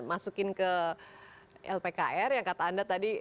masukin ke lpkr yang kata anda tadi